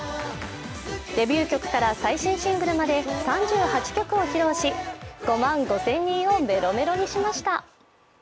デビュー曲から最新シングルまで３８曲を披露し５万５０００人をメロメロにしました。